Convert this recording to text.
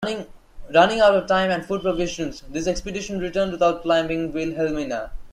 Running out of time and food provisions, this expedition returned without climbing Wilhelmina.